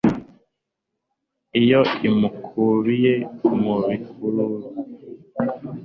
iyo imukubiye mu kirumbi